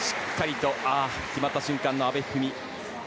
決まった瞬間の阿部一二三。